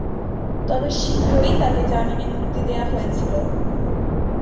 তবে শীঘ্রই তাকে জামিনে মুক্তি দেওয়া হয়েছিল।